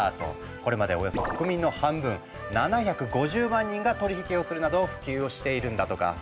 これまでおよそ国民の半分７５０万人が取り引きをするなど普及をしているんだとか。